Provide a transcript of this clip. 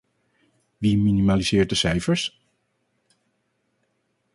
Wie minimaliseert de cijfers?